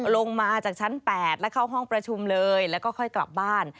ลงมาจากชั้น๘แล้วเข้าห้องประชุมเลยแล้วก็ค่อยกลับบ้าน